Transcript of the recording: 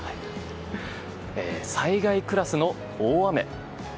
災害クラスの大雨。